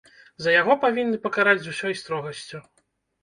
За яго павінны пакараць з усёй строгасцю.